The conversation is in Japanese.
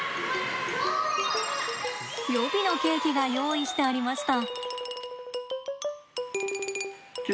予備のケーキが用意してありました。